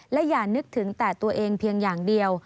และอย่านึกถึงแต่ตัวเองเพียงอย่างเดียว